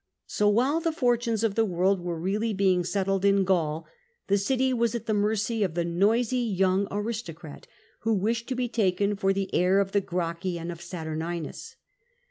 So while the fortunes of the world were really being settled in Gaul, the city was at the mercy of the noisy young aristocrat who wished to be taken for the heir of the Gracchi and of Saturninus.